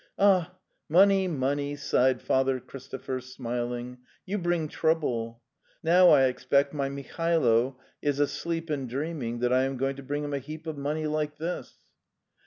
" Ah, money, money!" sighed: Father Chris topher, smiling. '' You bring trouble! Now I ex pect my Mihailo is asleep and dreaming that I am going to bring him a heap of money like this."